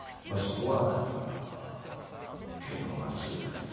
まあそこは検討をまずすると。